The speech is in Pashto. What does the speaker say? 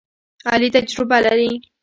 علي تجربه لري.